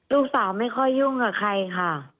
ลูกสาวไม่ค่อยยุ่งกับใครค่ะ